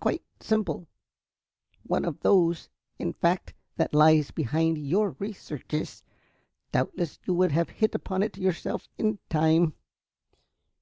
"Quite simple. One of those, in fact, that lies behind your researches. Doubtless you would have hit upon it yourself in time.